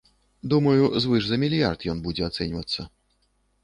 Думаю, звыш за мільярд ён будзе ацэньвацца.